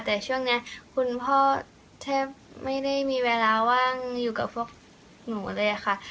แต่ช่วงนี้คุณพ่อแทบไม่ได้มีเวลาว่างอยู่กับพวกหนูเลยค่ะ